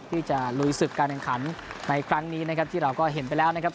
ที่จะลุยศึกการแข่งขันในครั้งนี้นะครับที่เราก็เห็นไปแล้วนะครับ